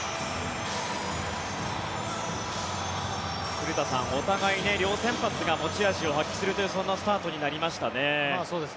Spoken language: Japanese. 古田さん、お互い両先発が持ち味を発揮するというそんなスタートになりましたね。